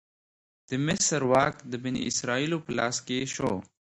د مصر واک د بنی اسرائیلو په لاس کې شو.